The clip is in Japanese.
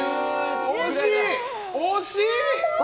惜しい！